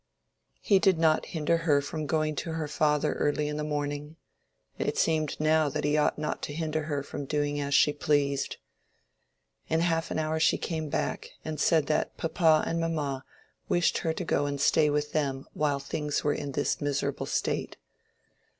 He did not hinder her from going to her father early in the morning—it seemed now that he ought not to hinder her from doing as she pleased. In half an hour she came back, and said that papa and mamma wished her to go and stay with them while things were in this miserable state.